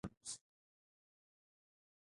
Kigiryama huzungumzwa na watu waitwao Wagiryama